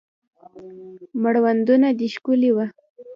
مړوندونه دې ښکلي وه